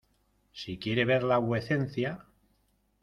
¡ si quiere verla vuecencia!